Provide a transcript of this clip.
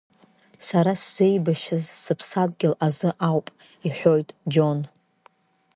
Сара сзеибашьыз сыԥсадгьыл азы ауп, — иҳәоит Џьон.